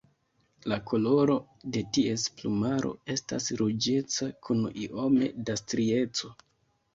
La koloro de ties plumaro estas ruĝeca kun iome da strieco.